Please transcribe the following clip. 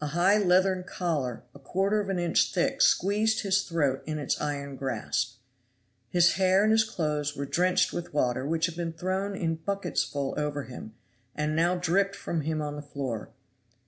A high leathern collar a quarter of an inch thick squeezed his throat in its iron grasp. His hair and his clothes were drenched with water which had been thrown in bucketsful over him, and now dripped from him on the floor.